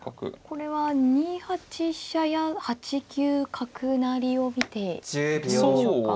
これは２八飛車や８九角成を見ているんでしょうか。